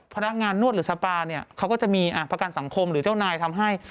พนักงานนวดหรือสปาเนี่ยเขาก็จะมีประกันสังคมหรือเจ้านายทำให้